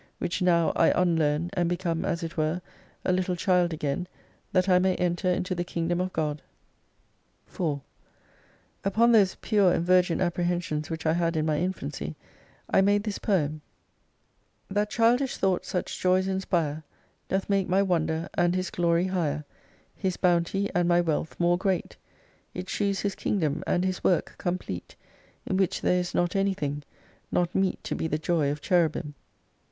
Which now I unlearn, and be come, as it were, a little child again that I may enter into the Kingdom of God. * This word is used here and elsewhere in its original sense, where we should now say "properties." 158 4 Upon those pure and virgin apprehensions which I had in my infancy, I made this poem : 1 That childish thoughts such joys inspire, Doth make my wonder, and His glory higher, His bounty, and my wealth more great : It shews His Kingdom, and His work complete. In which there is not anything, Not meet to be the joy of Cherubim.